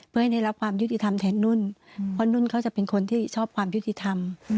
เพื่อให้ได้รับความยุติธรรมแทนนุ่นเพราะนุ่นเขาจะเป็นคนที่ชอบความยุติธรรม